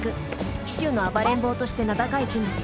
紀州の「暴れん坊」として名高い人物です。